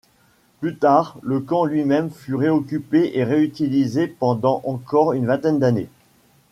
Plus tard le camp lui-même fut réoccupé et réutilisé pendant encore une vingtaine d'années.